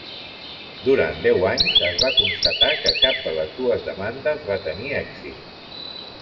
Durant deu anys es va constatar que cap de les dues demandes va tenir èxit.